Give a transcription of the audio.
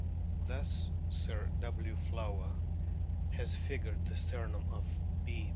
Thus Sir W. Flower has figured a sternum of B.